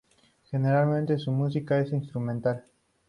Generalmente su música es instrumental.